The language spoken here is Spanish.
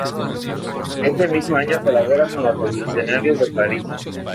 Desde ese mismo año colabora con los revolucionarios de París.